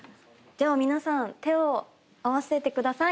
では皆さん手を合わせてください。